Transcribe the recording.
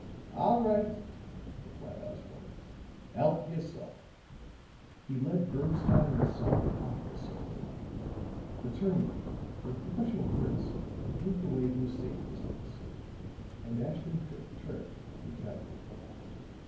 "All right," replied Osborne. "Help yourself." He led Bernstine and Sime out of the cell room; the turnkey, with professional courtesy, moved away to a safe distance, and Ashton Kirk turned to the Italian.